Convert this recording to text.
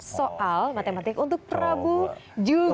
soal matematik untuk prabu juga